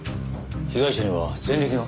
被害者には前歴が？